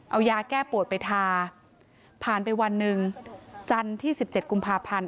เอายาแก้ปวดไปทาผ่านไปวันหนึ่งจันทร์ที่๑๗กุมภาพันธ์